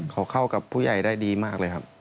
เขาเข้ากับผู้ใหญ่ได้ดีมากเลยครับ